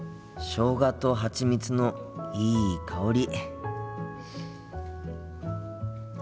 しょうがとハチミツのいい香り。